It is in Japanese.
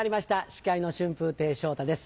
司会の春風亭昇太です。